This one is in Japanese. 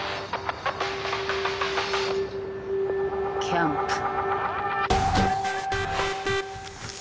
キャンプ。